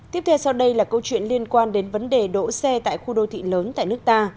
tiếp theo sau đây là câu chuyện liên quan đến vấn đề đỗ xe tại khu đô thị lớn tại nước ta